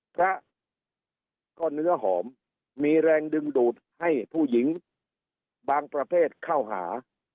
พระก็เนื้อหอมมีแรงดึงดูดให้ผู้หญิงบางประเภทเข้าหา